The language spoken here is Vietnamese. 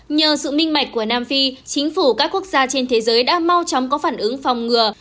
nhờ sự minh mạch của nam phi chính phủ các quốc gia trên thế giới đã mau chóng có phản ứng phòng ngừa